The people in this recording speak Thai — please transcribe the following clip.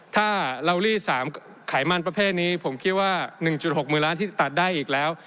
ถ้าเรารีด๓ไขมันประเภทนี้ผมคิดว่า๑๖หมื่นล้านที่ตัดได้อีกแล้ว